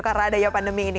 karena adanya pandemi ini